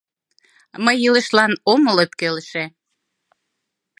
Мый илышлан омыл ӧпкелыше